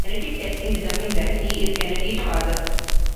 Genetic testing determined that he is Kennedy's father.